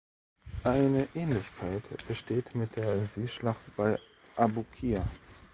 Eine Ähnlichkeit besteht mit der Seeschlacht bei Abukir.